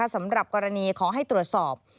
สำหรับกรณีขอให้ตรวจสอบ